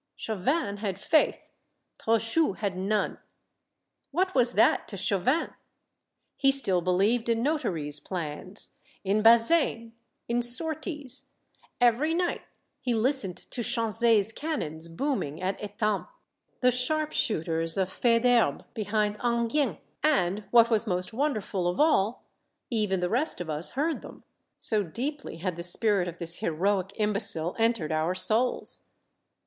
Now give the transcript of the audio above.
Chau vin had faith, Trochu had none. What was that to Chauvin? He still believed in notaries' plans, in Bazaine, in sorties; every night he listened to Chanzy's cannons booming at Etampe, the sharp shooters of Faidherbe behind Enghien, and, what was most wonderful of all, even the rest of us heard them, so deeply had the spirit of this heroic imbe cile entered our souls.